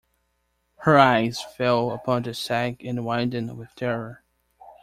Her eyes fell upon the sack and widened with terror.